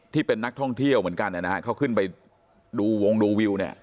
ที่เป็นนักท่องเที่ยวเหมือนกันนะฮะเขาขึ้นไปดูวงดูวิวเนี่ย